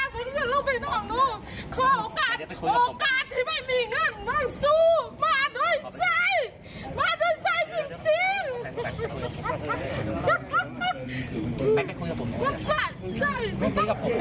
มาโดยใจมาโดยใจจริง